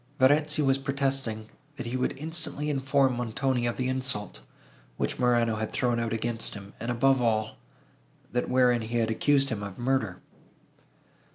Verezzi was protesting, that he would instantly inform Montoni of the insult, which Morano had thrown out against him, and above all, that, wherein he had accused him of murder.